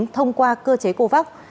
thông qua cơ chế covax